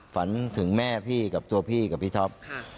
ฝันถึงแม่พี่กับตัวพี่กับพี่ท็อป